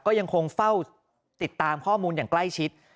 ก็ยังคงเฝ้าติดตามข้อมูลอย่างใกล้ชิด